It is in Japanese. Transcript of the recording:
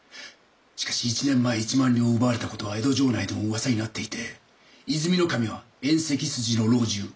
しかし１年前１万両を奪われた事は江戸城内でも噂になっていて和泉守は縁戚筋の老中戸田山城